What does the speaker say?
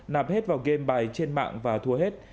nạp hết vào game bài trên mạng và thua hết